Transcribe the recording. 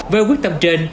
về quyết tâm trên